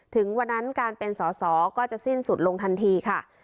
ถึงวันนั้นการเป็นสอสอก็จะสิ้นสุดลงทันทีค่ะ